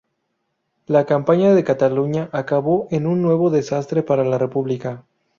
La campaña de Cataluña acabó en un nuevo desastre para la República.